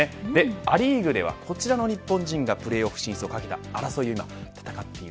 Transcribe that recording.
ア・リーグではこちらの日本人がプレーオフシーズンをかけた争いを今戦っている